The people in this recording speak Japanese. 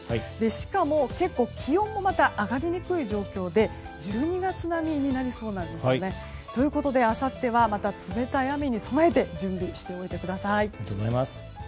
しかも、結構気温も上がりにくい状況で１２月並みになりそうなんですね。ということで、あさってはまた冷たい雨に備えて準備をしておいてください。